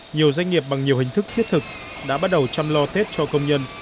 nhiều doanh nghiệp bằng nhiều hình thức thiết thực đã bắt đầu chăm lo tết cho công nhân